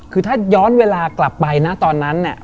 คือถ้าย้อนเวลากลับไปนะตอนนั้นเนี่ย